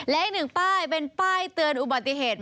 และอีกหนึ่งป้ายเป็นป้ายเตือนอุบัติเหตุ